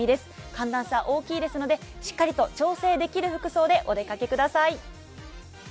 寒暖差大きいですので、しっかりと調整できる服装でお出かけください。